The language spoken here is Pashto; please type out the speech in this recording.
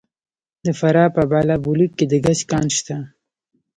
د فراه په بالابلوک کې د ګچ کان شته.